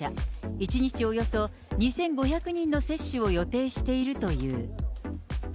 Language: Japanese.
１日およそ２５００人の接種を予定しているという。